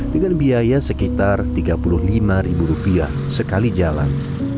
dengan biaya sekitar tiga puluh lima ribu rupiah sekali jalan